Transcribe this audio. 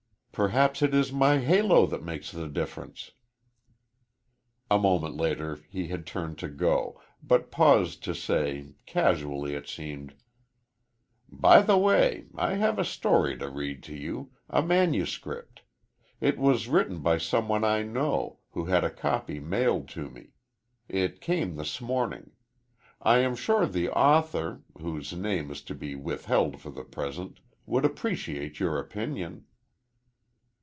"Perhaps it is my halo that makes the difference." A moment later he had turned to go, but paused to say casually, it seemed: "By the way, I have a story to read to you a manuscript. It was written by some one I know, who had a copy mailed me. It came this morning. I am sure the author, whose name is to be withheld for the present, would appreciate your opinion."